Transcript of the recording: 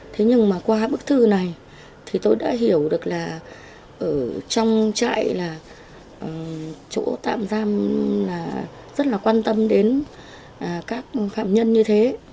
thế nhưng mà qua bức thư này thì tôi đã hiểu được là ở trong trại là chỗ tạm giam là rất là quan tâm đến các phạm nhân như thế